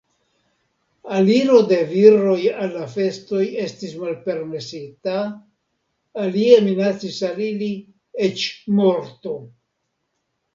Aliro de viroj al la festoj estis malpermesita, alie minacis al ili eĉ morto.